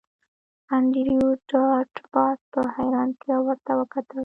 انډریو ډاټ باس په حیرانتیا ورته وکتل